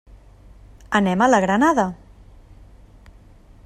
Anem a la Granada.